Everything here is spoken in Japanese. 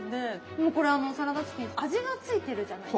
でもこれサラダチキン味が付いてるじゃないですか。